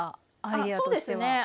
アイデアとしては。